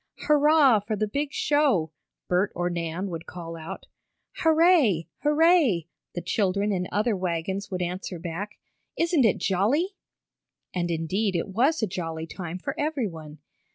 "Hurrah for the big show!" Bert or Nan would call out. "Hurray! Hurray!" the children in other wagons would answer back. "Isn't it jolly?" And indeed it was a jolly time for everyone.